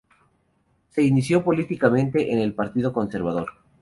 Se inició políticamente en el Partido Conservador.